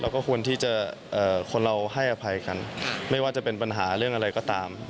ก็ควรที่จะคนเราให้อภัยกันไม่ว่าจะเป็นปัญหาเรื่องอะไรก็ตาม